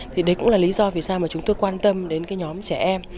thì đấy cũng là lý do vì sao chúng tôi quan tâm đến nhóm trẻ em